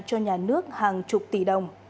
cho nhà nước hàng chục tỷ đồng